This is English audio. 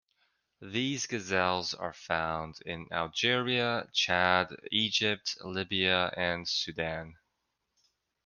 These gazelles are found in Algeria, Chad, Egypt, Libya and Sudan.